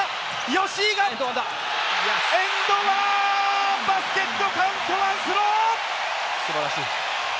吉井がエンドワン、バスケットカウントワンスロー！